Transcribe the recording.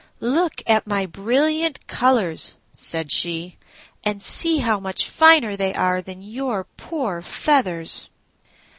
"Look at my brilliant colours," said she, "and see how much finer they are than your poor feathers."